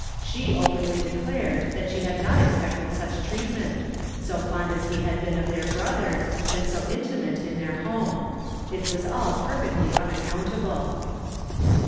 ;..• openly declared that she had not expected such treatment, — so fond as he had been of their brother, and so intimate in their home. It was all perfectly unaccountable.